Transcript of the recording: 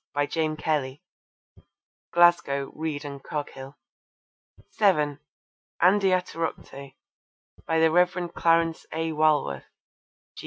By James Kelly. (Glasgow: Reid and Coghill.) (7) Andiatorocte. By the Rev. Clarence A. Walworth.